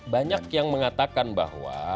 banyak yang mengatakan bahwa